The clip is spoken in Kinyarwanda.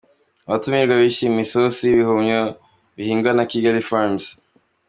Abatumirwa bishimiye isosi y'ibihumyo bihingwa na Kigali Farms.